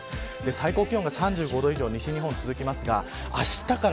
最高気温が３５度以上、西日本続きますが、あしたから